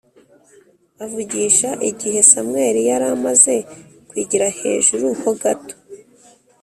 avugisha Igihe Samweli yari amaze kwigira hejuru ho gato